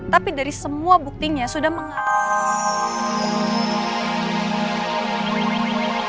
tapi dari semua buktinya sudah mengatakan